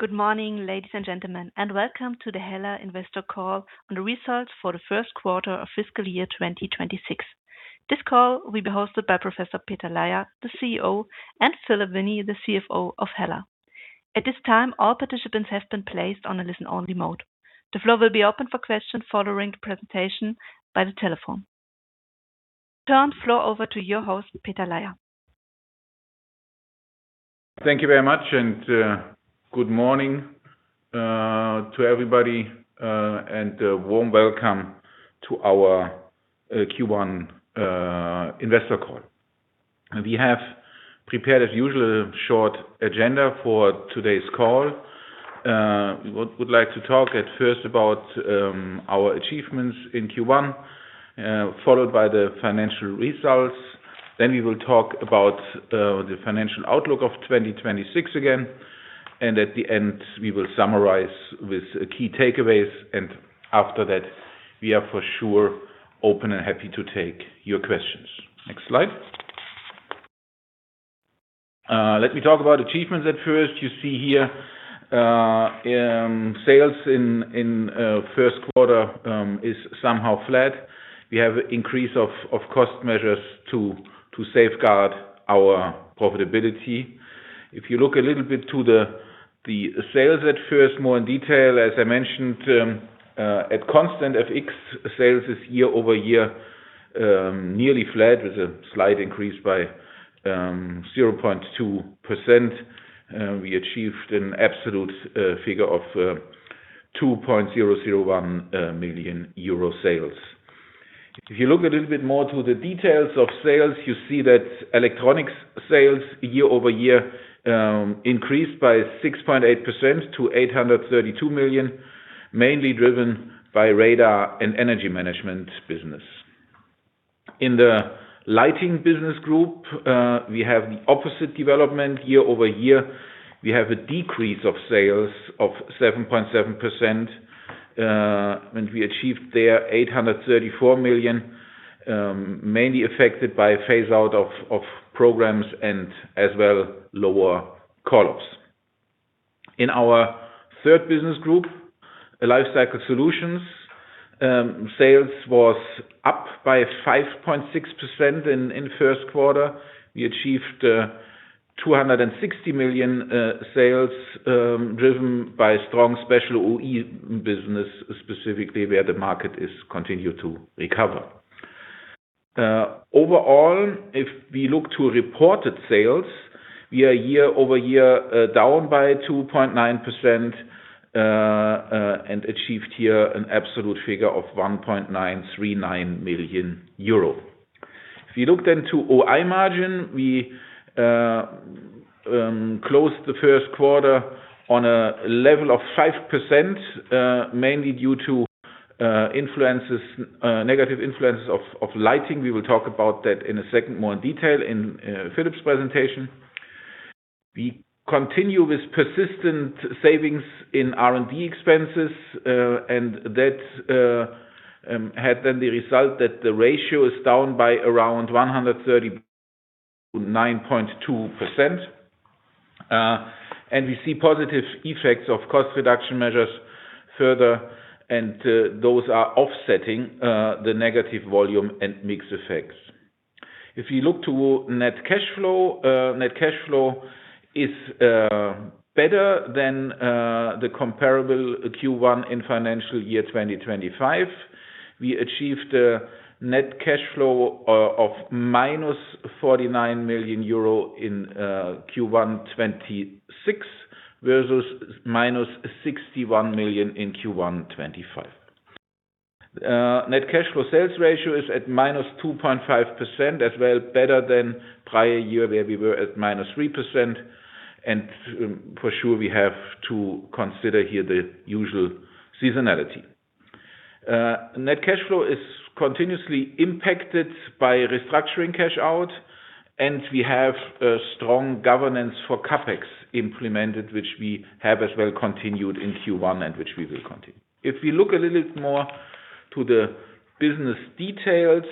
Good morning, ladies and gentlemen, and welcome to the HELLA Investor Call on the results for the first quarter of fiscal year 2026. This call will be hosted by Professor Peter Laier, the CEO, and Philippe Vienney, the CFO of HELLA. At this time, all participants have been placed in a listen-only mode. The floor will be open for questions furthering the presentation, by the telephone. Turn floor over to your host, Peter Laier. Thank you very much and good morning to everybody and a warm welcome to our Q1 Investor Call. We have prepared as usual a short agenda for today's call. Would like to talk at first about our achievements in Q1, followed by the financial results. We will talk about the financial outlook of 2026 again. At the end, we will summarize with key takeaways. After that, we are for sure open and happy to take your questions. Next slide. Let me talk about achievements at first. You see here sales in 1st quarter is somehow flat. We have increase of cost measures to safeguard our profitability. If you look a little bit to the sales at first more in detail, as I mentioned, at constant FX sales is year-over-year nearly flat with a slight increase by 0.2%. We achieved an absolute figure of 2.001 million euro sales. If you look a little bit more to the details of sales, you see that Electronics sales year-over-year increased by 6.8% to 832 million, mainly driven by radar and Energy Management business. In the Lighting business group, we have the opposite development year-over-year. We have a decrease of sales of 7.7%, and we achieved there 834 million, mainly affected by phase out of programs and as well lower call-ups. In our third business group, Lifecycle Solutions, sales was up by 5.6% in first quarter. We achieved 260 million sales, driven by strong Special Original Equipment business, specifically where the market is continued to recover. Overall, if we look to reported sales, we are year-over-year down by 2.9% and achieved here an absolute figure of 1.939 million euro. If you look to OI margin, we closed the first quarter on a level of 5%, mainly due to influences- negative influences of Lighting. We will talk about that in a second more in detail in Philippe's presentation. We continue with persistent savings in R&D expenses, that had then the result that the ratio is down by around 130 basis points 9.2%. We see positive effects of cost reduction measures further, and those are offsetting the negative volume and mix effects. If you look to net cash flow, net cash flow is better than the comparable Q1 in financial year 2025. We achieved a net cash flow of -49 million euro in Q1 2026 versus -61 million in Q1 2025. Net cash flow sales ratio is at -2.5%, as well better than prior year, where we were at -3%. For sure, we have to consider here the usual seasonality. Net cash flow is continuously impacted by restructuring cash out, and we have a strong governance for CapEx implemented, which we have as well continued in Q1 and which we will continue. If we look a little bit more to the business details,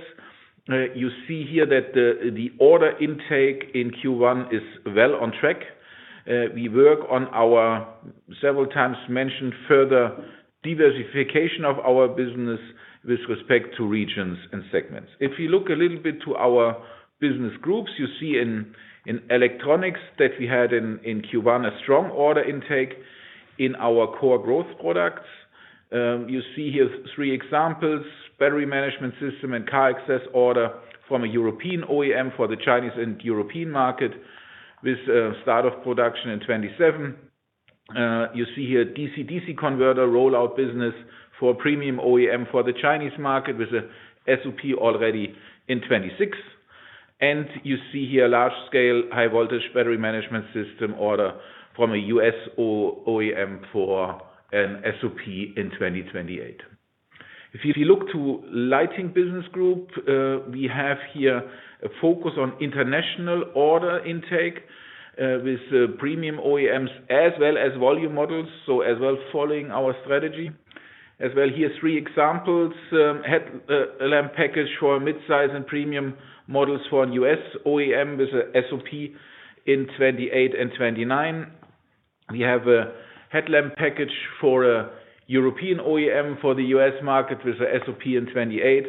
you see here that the order intake in Q1 is well on track. We work on our several times mentioned further diversification of our business with respect to regions and segments. If you look a little bit to our business groups, you see in Electronics that we had in Q1 a strong order intake in our core growth products. You see here three examples: Battery Management System and Car Access order from a European OEM for the Chinese and European market with start of production in 2027. You see here DC/DC converter rollout business for premium OEM for the Chinese market with a SOP already in 2026. You see here large-scale high voltage Battery Management System order from a U.S. OEM for an SOP in 2028. If you look to Lighting business group, we have here a focus on international order intake with premium OEMs as well as volume models, so as well following our strategy. As well here, three examples- headlamp package for mid-size and premium models for a U.S. OEM with a SOP in 2028 and 2029. We have a headlamp package for a European OEM for the U.S. market with a SOP in 2028.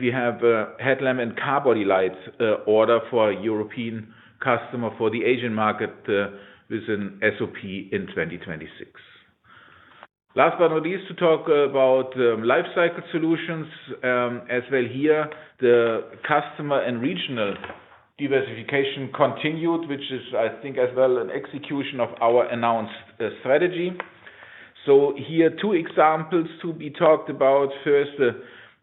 We have a headlamp and car body lights order for a European customer for the Asian market with an SOP in 2026. Last but not least, to talk about Lifecycle Solutions. As well here, the customer and regional diversification continued, which is, I think as well, an execution of our announced strategy. Here two examples to be talked about- first,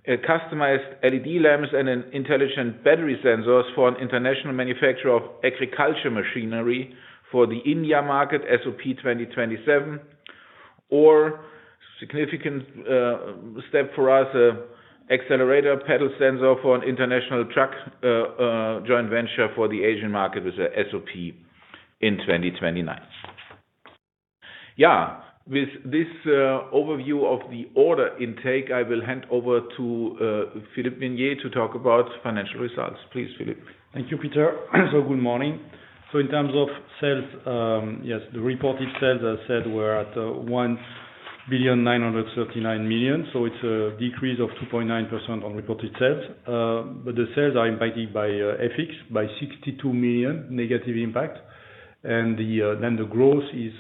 a customized LED lamps and an Intelligent Battery Sensors for an international manufacturer of agriculture machinery for the India market, SOP 2027. Significant step for us, a accelerator pedal sensor for an international truck joint venture for the Asian market with a SOP in 2029. Yeah. With this overview of the order intake, I will hand over to Philippe Vienney to talk about financial results. Please, Philippe. Thank you, Peter. Good morning. In terms of sales, yes, the reported sales, as said, were at 1.939 billion. It's a decrease of 2.9% on reported sales. The sales are impacted by FX by 62 million negative impact. The growth is,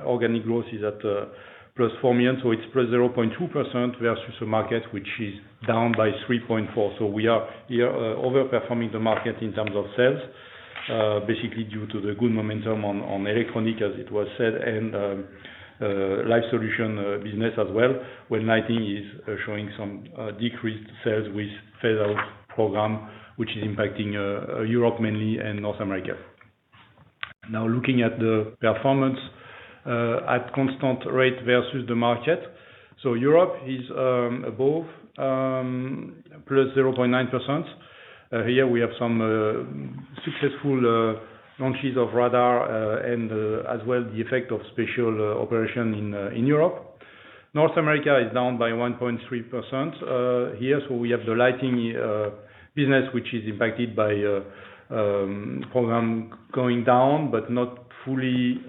organic growth is at +4 million, so it's +0.2% versus the market, which is down by 3.4%. We are here over-performing the market in terms of sales, basically due to the good momentum on Electronics, as it was said, and Lifecycle Solutions business as well, when Lighting is showing some decreased sales with fade out program, which is impacting Europe mainly and North America. Now looking at the performance, at constant rate versus the market. Europe is above +0.9%. Here we have some successful launches of radar, and as well the effect of special operation in Europe. North America is down by -1.3% here. We have the Lighting business, which is impacted by program going down, but not fully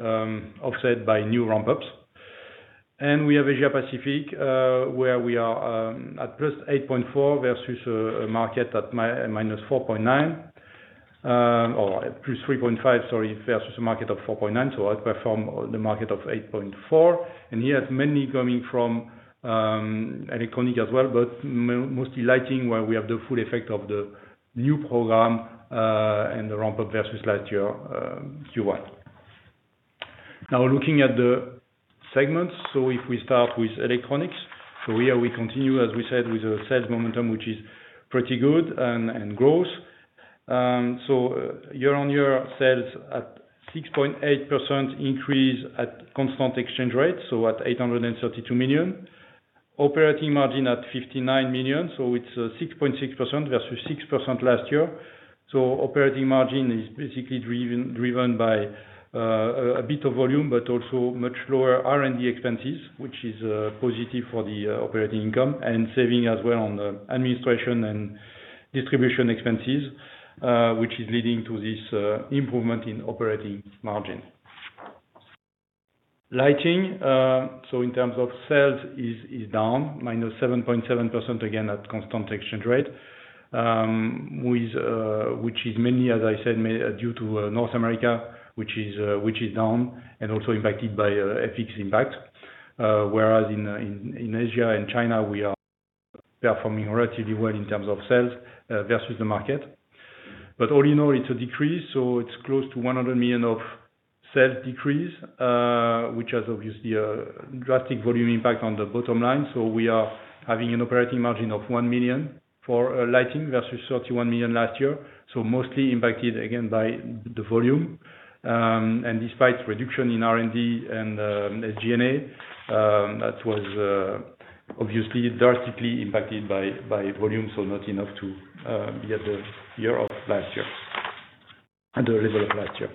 offset by new ramp-ups. We have Asia Pacific, where we are at +8.4 versus a market at -4.9, or +3.5, sorry, versus a market of 4.9- outperform the market of 8.4. Here, mainly coming from Electronics as well, but mostly Lighting, where we have the full effect of the new program and the ramp-up versus last year, Q1. Looking at the segments. If we start with Electronics. Here we continue, as we said, with a sales momentum, which is pretty good and growth. Year-on-year sales at 6.8% increase at constant exchange rate, at 832 million. Operating margin at 59 million, it's 6.6% versus 6% last year. Operating margin is basically driven by a bit of volume, but also much lower R&D expenses, which is positive for the operating income, and saving as well on the administration and distribution expenses, which is leading to this improvement in operating margin. Lighting. In terms of sales is down -7.7% again at constant exchange rate. Which is mainly, as I said, due to North America, which is down and also impacted by FX impact. Whereas in Asia and China, we are performing relatively well in terms of sales versus the market. All in all, it's a decrease, it's close to 100 million of sales decrease, which has obviously a drastic volume impact on the bottom line. We are having an operating margin of 1 million for Lighting versus 31 million last year. Mostly impacted again by the volume. Despite reduction in R&D and SG&A, that was obviously drastically impacted by volume, so not enough to be at the year of last year- at the level of last year.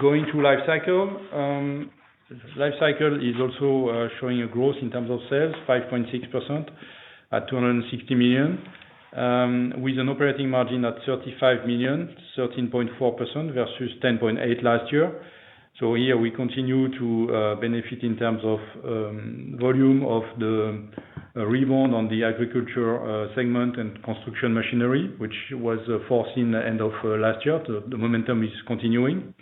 Going to Lifecycle. Lifecycle is also showing a growth in terms of sales, 5.6% at 260 million, with an operating margin at 35 million, 13.4% versus 10.8% last year. Here we continue to benefit in terms of volume of the rebound on the agriculture segment and construction machinery, which was foreseen end of last year. The momentum is continuing.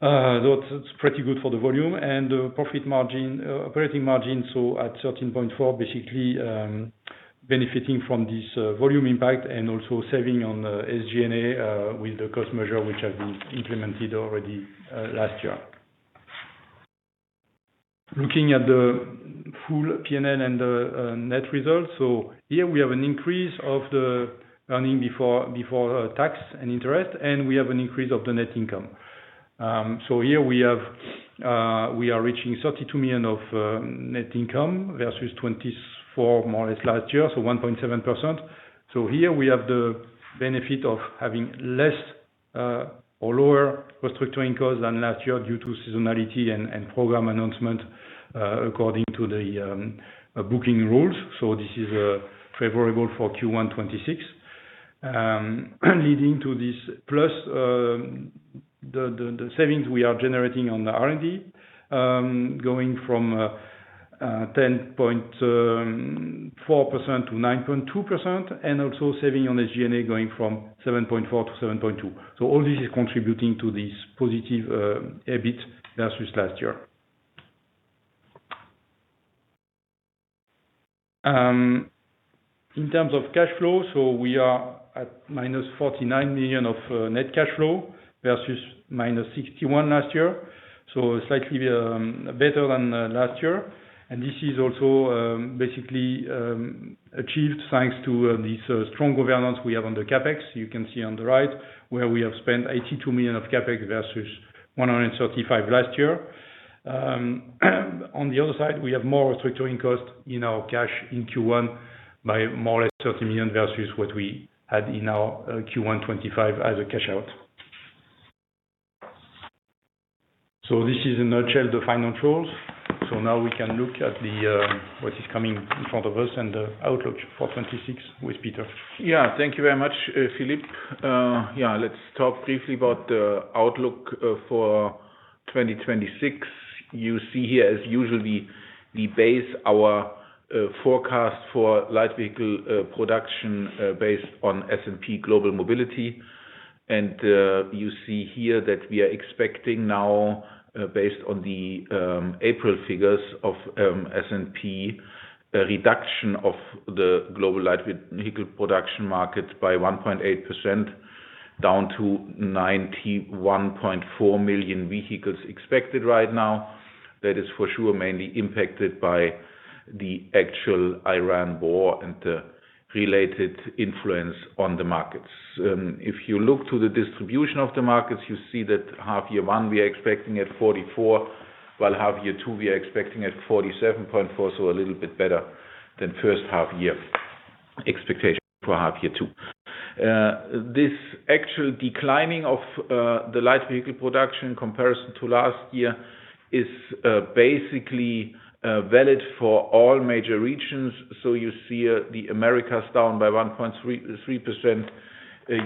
That's pretty good for the volume and the profit margin, operating margin, so at 13.4%, basically, benefiting from this volume impact and also saving on SG&A with the cost measure which have been implemented already last year. Looking at the full P&L and the net results. Here we have an increase of the earning before tax and interest, and we have an increase of the net income. Here we have, we are reaching 32 million of net income versus 24 million more or less last year, so 1.7%. Here we have the benefit of having less or lower restructuring cost than last year due to seasonality and program announcement, according to the booking rules. This is favorable for Q1 2026, leading to this plus the savings we are generating on the R&D, going from 10.4% to 9.2%, and also saving on SG&A going from 7.4% to 7.2%. All this is contributing to this positive EBIT versus last year. In terms of cash flow, we are at -49 million of net cash flow versus -61 last year- slightly better than last year. This is also basically achieved thanks to this strong governance we have on the CapEx. You can see on the right where we have spent 82 million of CapEx versus 135 last year. On the other side, we have more restructuring cost in our cash in Q1 by more or less 30 million versus what we had in our Q1 2026 as a cash out. This is in a nutshell, the financials. Now we can look at the, what is coming in front of us and the outlook for 2026 with Peter. Thank you very much, Philippe. Let's talk briefly about the outlook for 2026. You see here, as usual, we base our forecast for light vehicle production based on S&P Global Mobility. You see here that we are expecting now, based on the April figures of S&P, a reduction of the global light vehicle production market by 1.8%, down to 91.4 million vehicles expected right now. That is for sure mainly impacted by the actual Iran war and the related influence on the markets. If you look to the distribution of the markets, you see that half year one we are expecting at 44, while half year two we are expecting at 47.4, so a little bit better than first half-year expectation for half year two. This actual declining of the light vehicle production in comparison to last year is basically valid for all major regions. You see the Americas down by 1.33%,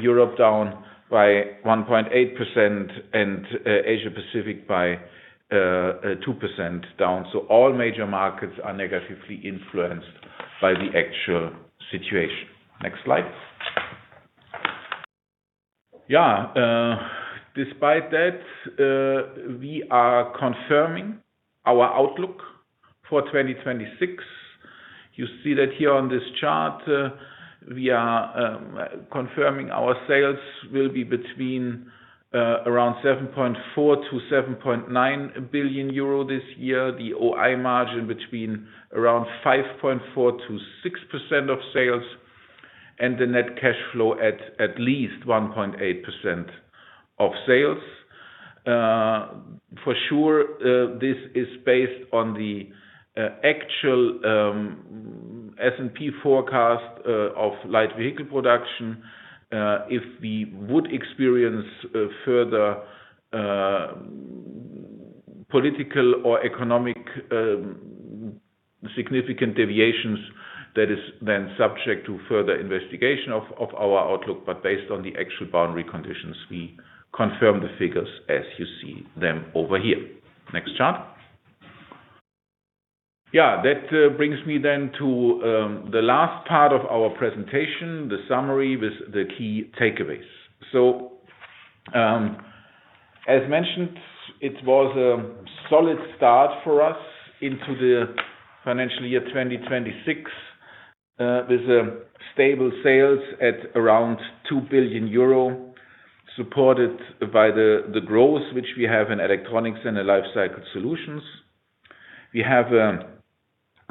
Europe down by 1.8% and Asia Pacific by 2% down. All major markets are negatively influenced by the actual situation. Next slide. Despite that, we are confirming our outlook for 2026. You see that here on this chart, we are confirming our sales will be between around 7.4 billion-7.9 billion euro this year. The OI margin between around 5.4%-6% of sales, and the net cash flow at least 1.8% of sales. For sure, this is based on the actual S&P forecast of light vehicle production. If we would experience further political or economic significant deviations, that is subject to further investigation of our outlook, but based on the actual boundary conditions, we confirm the figures as you see them over here. Next chart. That brings me to the last part of our presentation, the summary with the key takeaways. As mentioned, it was a solid start for us into the financial year 2026 with stable sales at around 2 billion euro, supported by the growth which we have in Electronics and Lifecycle Solutions. We have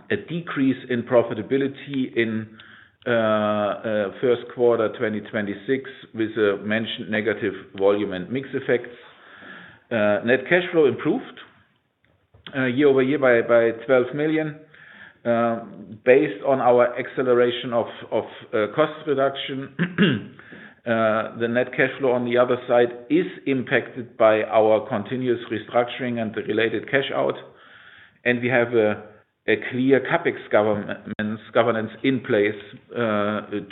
a decrease in profitability in first quarter 2026 with the mentioned negative volume and mix effects. Net cash flow improved year-over-year by 12 million, based on our acceleration of cost reduction. The net cash flow on the other side is impacted by our continuous restructuring and the related cash out. We have a clear CapEx governance in place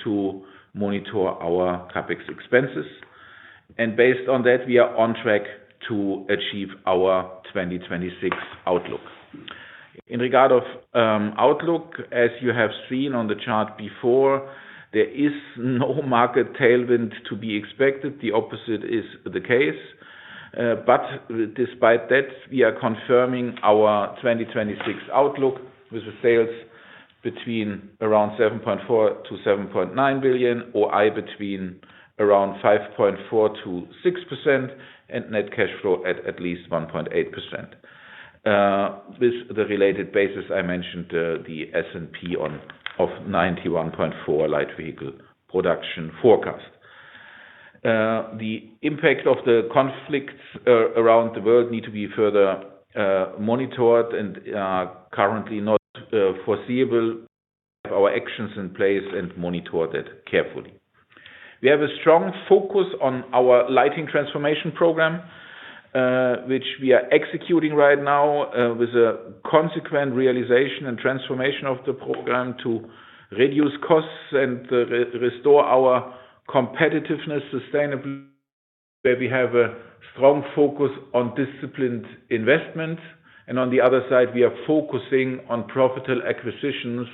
to monitor our CapEx expenses. Based on that, we are on track to achieve our 2026 outlook. In regard of outlook, as you have seen on the chart before, there is no market tailwind to be expected. The opposite is the case. Despite that, we are confirming our 2026 outlook with the sales between around 7.4 billion-7.9 billion, OI between around 5.4%-6%, and net cash flow at least 1.8%. With the related basis, I mentioned the S&P on, of 91.4 light vehicle production forecast. The impact of the conflicts around the world need to be further monitored and currently not foreseeable- our actions in place and monitor that carefully. We have a strong focus on our lighting transformation program, which we are executing right now, with a consequent realization and transformation of the program to reduce costs and restore our competitiveness sustainably. On the other side, we are focusing on profitable acquisitions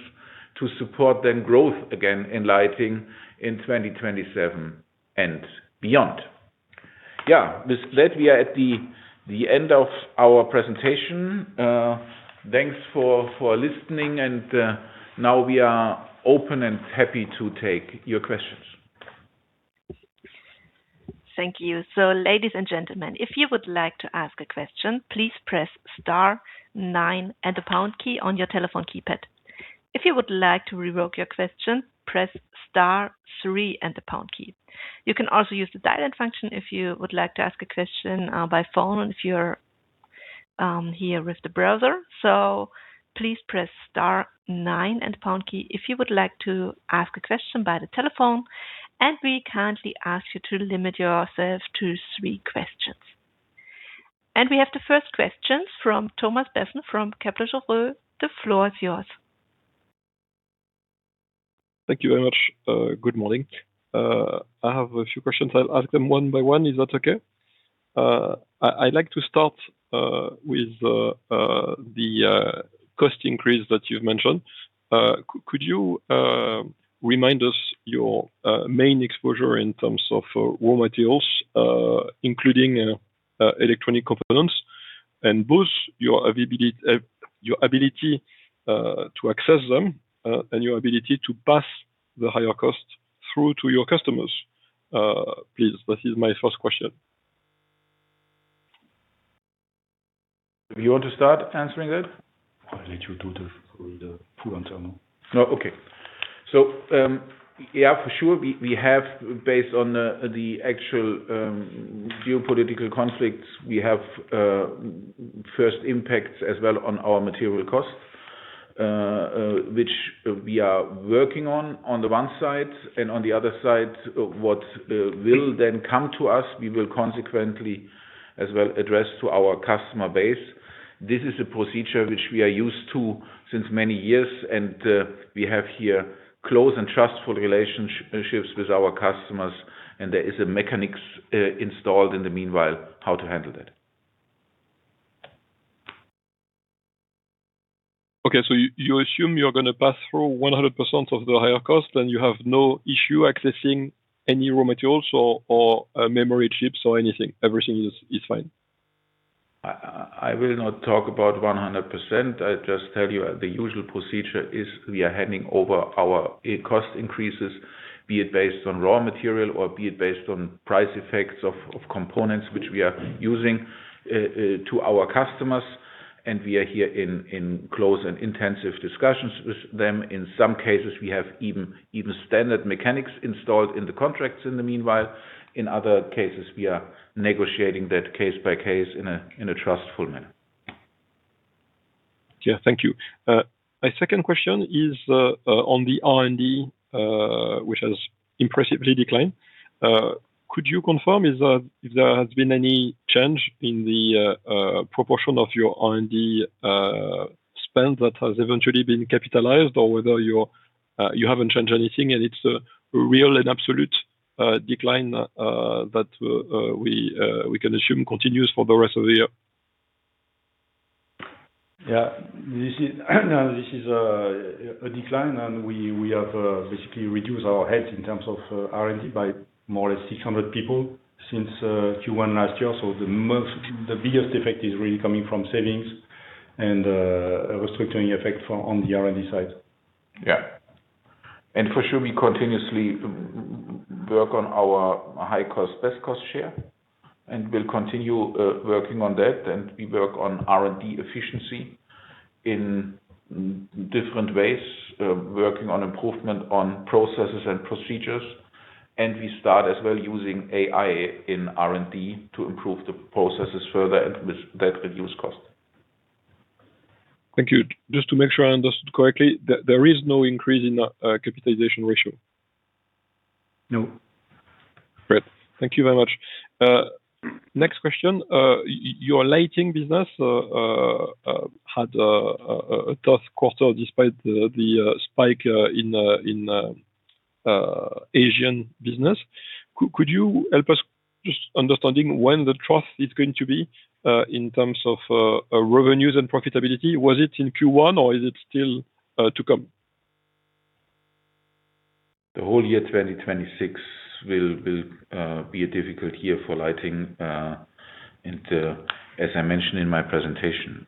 to support then growth again in Lighting in 2027 and beyond. With that, we are at the end of our presentation. Thanks for listening, and now we are open and happy to take your questions. Thank you. Ladies and gentlemen, if you would like to ask a question, please press star nine and the pound key on your telephone keypad. If you would like to revoke your question, press star three and the pound key. You can also use the dial-in function if you would like to ask a question by phone, if you're here with the browser. Please press star nine and pound key if you would like to ask a question by the telephone. We kindly ask you to limit yourself to three questions. We have the first question from Thomas Besson from Kepler Cheuvreux. The floor is yours. Thank you very much. Good morning. I have a few questions. I'll ask them one by one. Is that okay? I'd like to start with the cost increase that you've mentioned. Could you remind us your main exposure in terms of raw materials, including electronic components, and both your ability to access them, and your ability to pass the higher cost through to your customers? Please, that is my first question. Do you want to start answering that? I'll let you do the full answer, no? No. Okay. Yeah, for sure, we have- based on the actual geopolitical conflicts- we have first impacts as well on our material costs, which we are working on the one side, and on the other side, what will then come to us, we will consequently as well address to our customer base. This is a procedure which we are used to since many years, and we have here close and trustful relationships with our customers, and there is a mechanics installed in the meanwhile, on how to handle that. Okay. You assume you're gonna pass through 100% of the higher cost, and you have no issue accessing any raw materials or memory chips or anything. Everything is fine. I will not talk about 100%. I just tell you the usual procedure is we are handing over our cost increases, be it based on raw material or be it based on price effects of components which we are using to our customers, and we are here in close and intensive discussions with them. In some cases, we have even standard mechanics installed in the contracts in the meanwhile. In other cases, we are negotiating that case by case in a trustful manner. Yeah. Thank you. My second question is on the R&D, which has impressively declined. Could you confirm is, if there has been any change in the proportion of your R&D spend that has eventually been capitalized or whether you're, you haven't changed anything and it's a real and absolute decline that we can assume continues for the rest of the year? Yeah. This is a decline, we have basically reduced our heads in terms of R&D by more or less 600 people since Q1 last year. The biggest effect is really coming from savings and a restricting effect on the R&D side. Yeah. For sure, we continuously work on our high-cost, best cost share, and we'll continue working on that. We work on R&D efficiency in different ways, working on improvement on processes and procedures. We start as well using AI in R&D to improve the processes further and with that, reduce cost. Thank you. Just to make sure I understood correctly, there is no increase in capitalization ratio? No. Great. Thank you very much. Next question. Your Lighting business had a tough quarter despite the spike in Asian business. Could you help us just understanding when the turn is going to be in terms of revenues and profitability? Was it in Q1 or is it still to come? The whole year 2026 will be a difficult year for Lighting. As I mentioned in my presentation,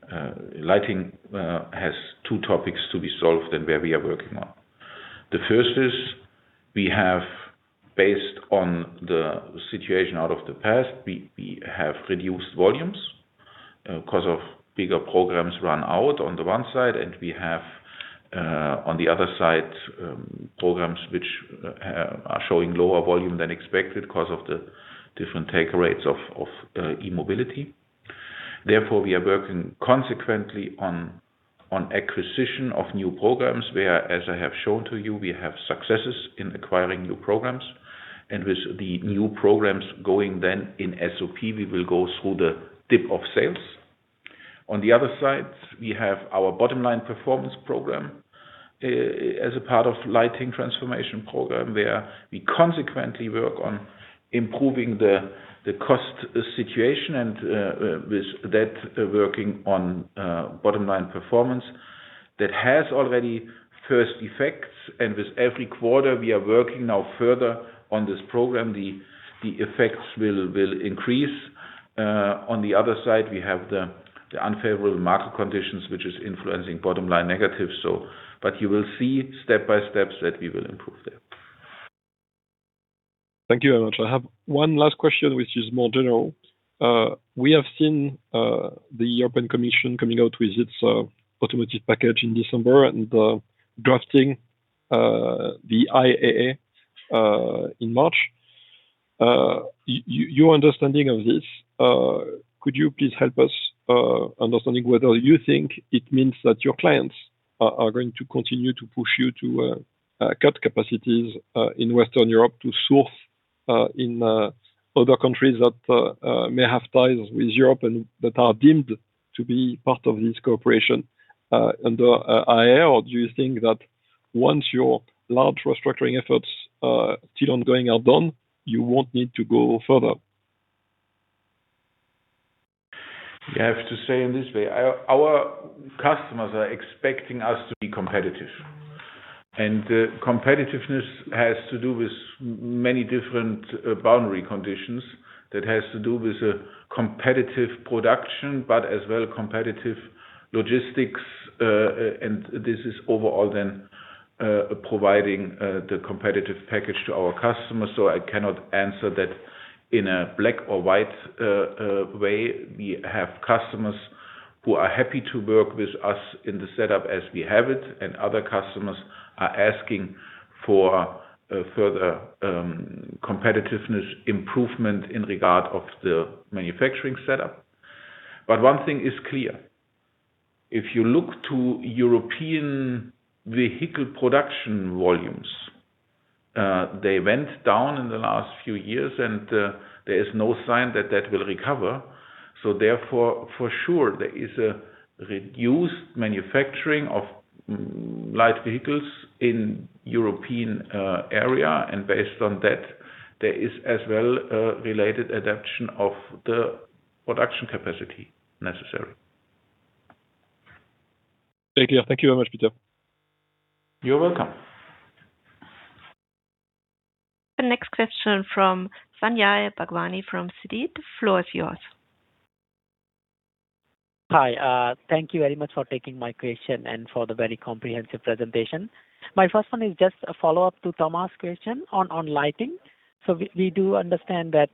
Lighting has two topics to be solved and where we are working on. The first is we have, based on the situation out of the past, we have reduced volumes 'cause of bigger programs run out on the one side, and we have on the other side programs which are showing lower volume than expected 'cause of the different take rates of e-mobility. Therefore, we are working consequently on acquisition of new programs where, as I have shown to you, we have successes in acquiring new programs. With the new programs going then in SOP, we will go through the dip of sales. On the other side, we have our bottom line performance program as a part of lighting transformation program, where we consequently work on improving the cost situation and with that working on bottom line performance. That has already first effects, and with every quarter we are working now further on this program, the effects will increase. On the other side, we have the unfavorable market conditions, which is influencing bottom line negative. You will see step by step that we will improve that. Thank you very much. I have one last question, which is more general. We have seen the European Commission coming out with its automotive package in December and drafting the IAA in March. Your understanding of this- could you please help us understanding whether you think it means that your clients are going to continue to push you to cut capacities in Western Europe to source in other countries that may have ties with Europe and that are deemed to be part of this cooperation under IAA? Or do you think that once your large restructuring efforts, still ongoing, are done, you won't need to go further? I have to say in this way, our customers are expecting us to be competitive. Competitiveness has to do with many different boundary conditions. That has to do with competitive production, but as well competitive logistics. This is overall then providing the competitive package to our customers, so I cannot answer that in a black or white way. We have customers who are happy to work with us in the setup as we have it, other customers are asking for further competitiveness improvement in regard of the manufacturing setup. One thing is clear. If you look to European vehicle production volumes, they went down in the last few years, there is no sign that that will recover. Therefore, for sure, there is a reduced manufacturing of light vehicles in European area, and based on that, there is as well related adaptation of the production capacity necessary. Thank you. Thank you very much, Peter. You're welcome. The next question from Sanjay Bhagwani from Citi. The floor is yours. Hi. Thank you very much for taking my question and for the very comprehensive presentation. My first one is just a follow-up to Thomas' question on Lighting. We do understand that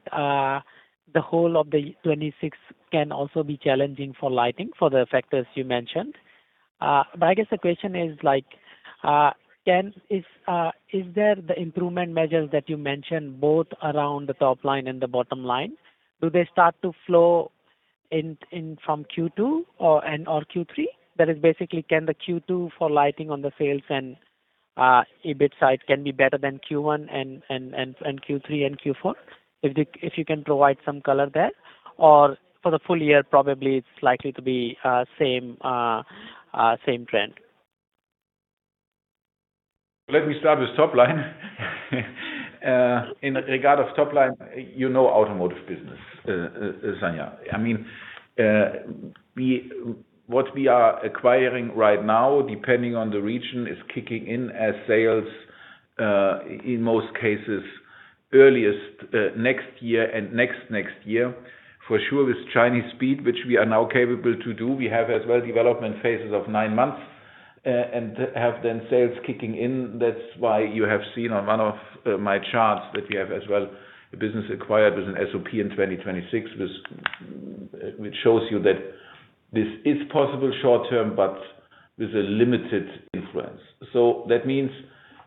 the whole of 2026 can also be challenging for Lighting for the factors you mentioned. I guess the question is, like, are there the improvement measures that you mentioned, both around the top line and the bottom line? Do they start to flow in from Q2 or, and/or Q3? That is basically can the Q2 for Lighting on the sales and EBIT side can be better than Q1 and Q3 and Q4? If you can provide some color there. For the full year, probably it's likely to be same trend. Let me start with top line. In regard of top line, you know automotive business, Sanjay. I mean, what we are acquiring right now, depending on the region, is kicking in as sales in most cases, earliest, next year and next next year. For sure with Chinese speed, which we are now capable to do, we have as well development phases of nine months and have then sales kicking in. That's why you have seen on one of my charts that you have as well a business acquired with an SOP in 2026, which shows you that this is possible short term, but with a limited influence. That means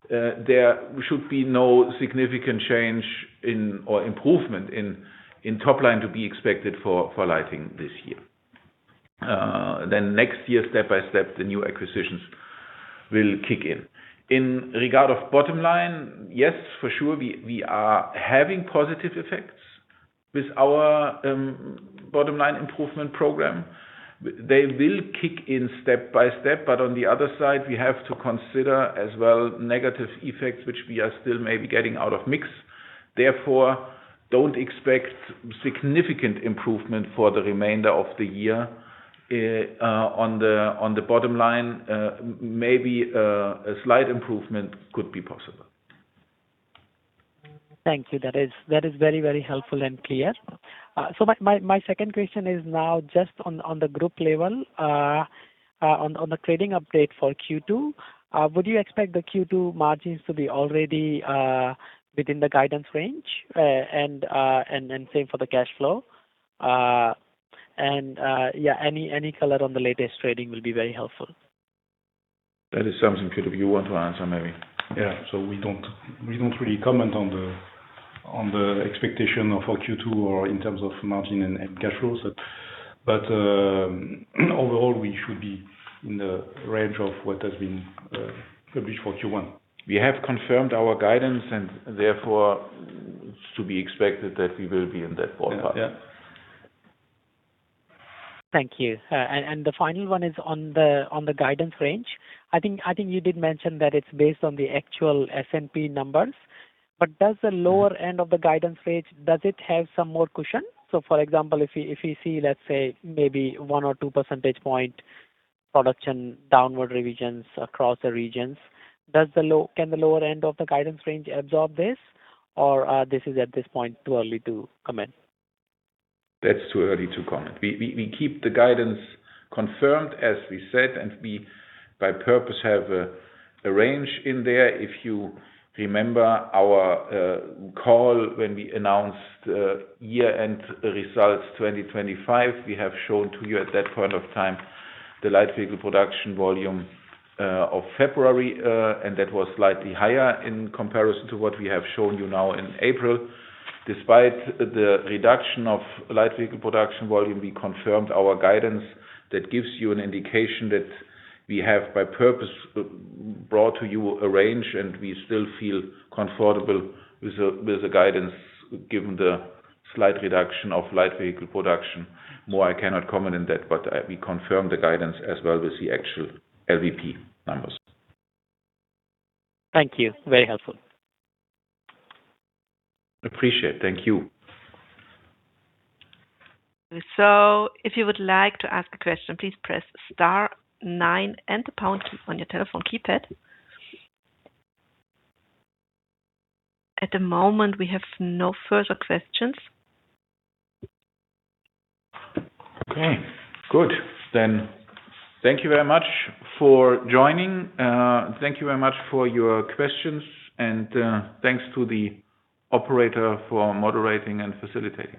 there should be no significant change in or improvement in top line to be expected for lighting this year. Next year, step by step, the new acquisitions will kick in. In regard of bottom line, yes, for sure, we are having positive effects with our bottom line improvement program. They will kick in step by step, on the other side, we have to consider as well negative effects, which we are still maybe getting out of mix. Don't expect significant improvement for the remainder of the year on the bottom line- maybe a slight improvement could be possible. Thank you. That is very, very helpful and clear. My second question is now just on the group level. On the trading update for Q2, would you expect the Q2 margins to be already within the guidance range, and same for the cash flow? Yeah, any color on the latest trading will be very helpful. That is something could be you want to answer maybe. We don't really comment on the expectation of our Q2 or in terms of margin and cash flows. Overall, we should be in the range of what has been published for Q1. We have confirmed our guidance, and therefore it's to be expected that we will be in that ballpark. Yeah. Thank you. The final one is on the guidance range. I think you did mention that it's based on the actual S&P numbers. Does the lower end of the guidance range, does it have some more cushion? For example, if you see, let's say, maybe 1 or 2 percentage point production downward revisions across the regions, can the lower end of the guidance range absorb this, or is this at this point too early to comment? That's too early to comment- we keep the guidance confirmed, as we said, and we by purpose have a range in there. If you remember our call when we announced year-end results 2025, we have shown to you at that point of time the light vehicle production volume of February, and that was slightly higher in comparison to what we have shown you now in April. Despite the reduction of light vehicle production volume, we confirmed our guidance. That gives you an indication that we have by purpose brought to you a range, and we still feel comfortable with the guidance given the slight reduction of light vehicle production. More I cannot comment on that, but we confirm the guidance as well with the actual LVP numbers. Thank you. Very helpful. Appreciate. Thank you. So if you would like to ask a question, please press star nine and the pound key on your telephone keypad. At the moment, we have no further questions. Okay. Good. Thank you very much for joining. Thank you very much for your questions, and thanks to the operator for moderating and facilitating.